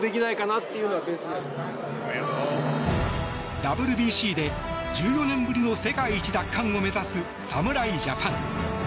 ＷＢＣで１４年ぶりの世界一奪還を目指す侍ジャパン。